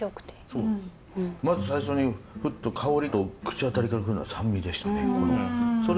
まず最初にフッと香りと口当たりから来るのが酸味でしたねこれ。